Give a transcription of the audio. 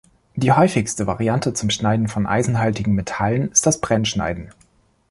Die häufigste Variante zum Schneiden von eisenhaltigen Metallen ist das Brennschneiden.